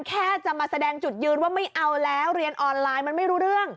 แค่จะมาแสดงจุดยืนว่าไม่เอาแล้วเรียนออนไลน์มันไม่รู้เรื่อง